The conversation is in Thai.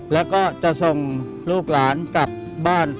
แล้วก็จะส่งลูกหลานกลับบ้าน